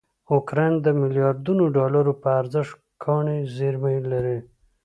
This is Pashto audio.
اوکراین دمیلیاردونوډالروپه ارزښت کاني زېرمې لري.